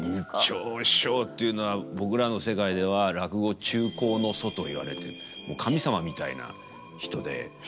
圓朝師匠というのは僕らの世界では落語「中興の祖」と言われてもう神様みたいな人で。